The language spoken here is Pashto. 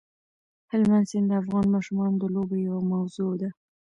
هلمند سیند د افغان ماشومانو د لوبو یوه موضوع ده.